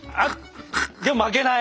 でも負けない。